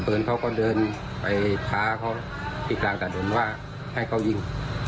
ปืนเขาก็เดินไปทาเขาที่กลางตราดุนว่าให้เขายิง